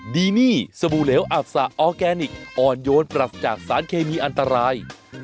ดีนี่สบู่เหลวอับสะออร์แกนิคอ่อนโยนปรัสจากสารเคมีอันตราย